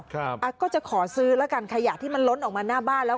ครับอ่ะก็จะขอซื้อแล้วกันขยะที่มันล้นออกมาหน้าบ้านแล้ว